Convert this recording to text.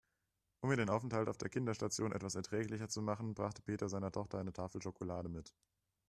Um ihr den Aufenthalt auf der Kinderstation etwas erträglicher zu machen, brachte Peter seiner Tochter eine Tafel Schokolade mit.